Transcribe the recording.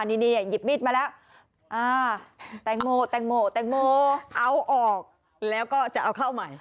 นี่หยิบมีดมาแล้วแตงโมแตงโมแตงโมแตงโมเอาออกแล้วก็จะเอาเข้าใหม่